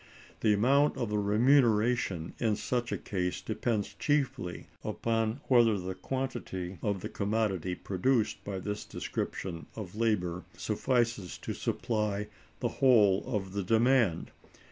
The amount of the remuneration in such a case depends chiefly upon whether the quantity of the commodity produced by this description of labor suffices to supply the whole of the demand.